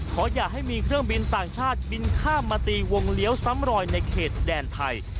อย่าให้มีเครื่องบินต่างชาติบินข้ามมาตีวงเลี้ยวซ้ำรอยในเขตแดนไทย